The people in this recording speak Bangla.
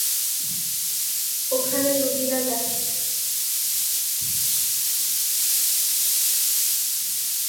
ওখানে রোগীরা যাচ্ছে।